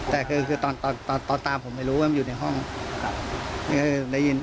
แต่คือคือตอนตอนตอนตอนตามผมไม่รู้ว่ามันอยู่ในห้องคือได้ยิน